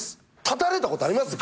立たれたことあります？